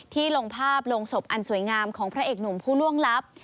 ลงภาพลงศพอันสวยงามของพระเอกหนุ่มผู้ล่วงลับ